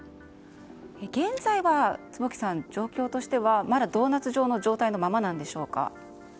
現在は状況としてはまだドーナツ状の状態のままなんでしょうか。